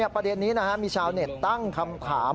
ประเด็นนี้มีชาวเน็ตตั้งคำถาม